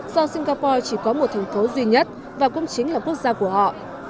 do singapore chỉ có một thành phố duy nhất và cũng chính là quốc gia của họ